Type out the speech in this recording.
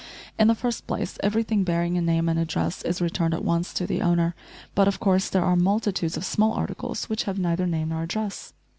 In the first place, everything bearing a name and address is returned at once to the owner, but of course there are multitudes of small articles which have neither name nor address.